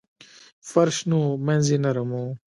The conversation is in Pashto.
فرش نه و مینځ یې نرم و.